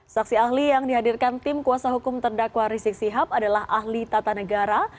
saksi ahli yang dihadirkan tim kuasa hukum terdakwa rizik sihab adalah ahli tata negara